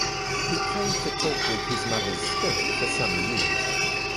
He claimed to talk with his mother's spirit for some years.